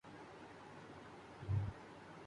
وہ دوپہر سے پہلے نظر نہیں آیا۔